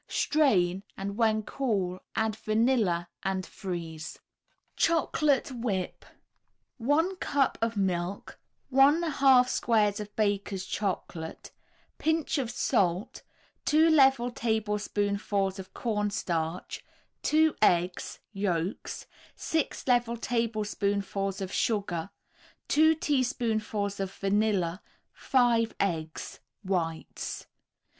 Strain, and when cool add vanilla, and freeze. CHOCOLATE WHIP 1 cup of milk, 1 1/2 squares of Baker's Chocolate, Pinch of salt, 2 level tablespoonfuls of cornstarch, 2 eggs (yolks), 6 level tablespoonfuls of sugar, 2 teaspoonfuls of vanilla, 5 eggs (whites).